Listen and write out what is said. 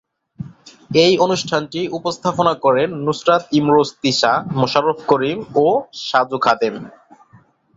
এই অনুষ্ঠানটি উপস্থাপনা করেন নুসরাত ইমরোজ তিশা, মোশাররফ করিম ও সাজু খাদেম।